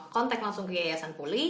kontak langsung ke yayasan pulih